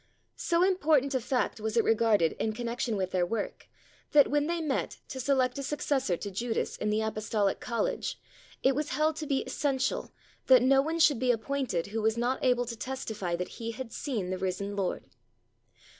So important a fact was it regarded in connection with their work, that when they met to select a successor to Judas in the apostolic college, it was held to be essential that no one should be appointed who was not able to testify that he had seen the risen Lord.